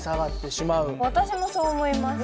私もそう思います。